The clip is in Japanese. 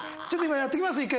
ちょっと今やっときます？